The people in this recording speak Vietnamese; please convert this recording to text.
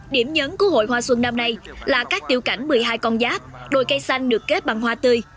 điểm nhấn của hội hoa xuân năm nay là các tiêu cảnh một mươi hai con giáp đôi cây xanh được kết bằng hoa tươi